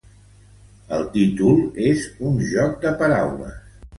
El títol és un joc de paraules.